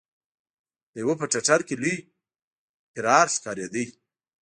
د يوه په ټټر کې لوی پرار ښکارېده.